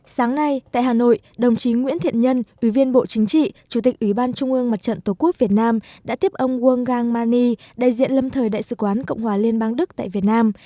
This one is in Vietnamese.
sáng nay tại hà nội đồng chí nguyễn thiện nhân ủy viên bộ chính trị chủ tịch ủy ban trung ương mặt trận tổ quốc việt nam đã tiếp ông wang gang mani đại diện lâm thời đại sứ quán cộng hòa liên bang đức tại việt nam